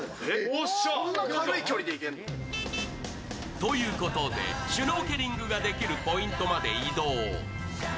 ということで、シュノーケリングができるポイントまで移動。